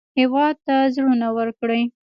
هېواد ته زړونه ورکړئ